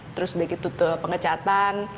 terus udah gitu tuh pengecatan